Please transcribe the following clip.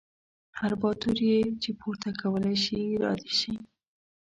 هر باتور یې چې پورته کولی شي را دې شي.